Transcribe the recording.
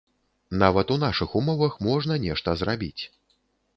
Нават у нашых умовах можна нешта зрабіць.